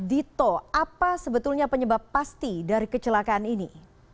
dito apa sebetulnya penyebab pasti dari kecelakaan ini